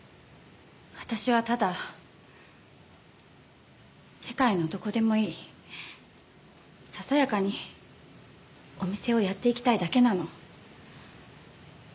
私はただ世界のどこでもいいささやかにお店をやっていきたいだけなの。